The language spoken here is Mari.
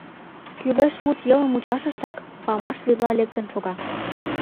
Кӱлеш мут йылме мучашыштак, памаш вӱдла лектын шога.